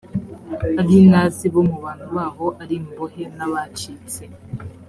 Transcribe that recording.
abinazi bo mu bantu baho ari imbohe n abacitse